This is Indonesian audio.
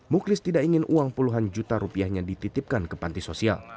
muklis tidak ingin uang puluhan juta rupiahnya dititipkan ke panti sosial